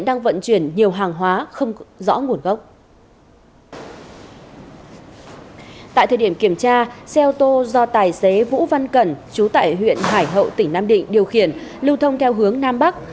tại thời điểm kiểm tra xe ô tô do tài xế vũ văn cẩn trú tại huyện hải hậu tỉnh nam định điều khiển lưu thông theo hướng nam bắc